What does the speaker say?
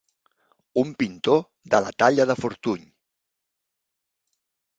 Un pintor de la talla de Fortuny.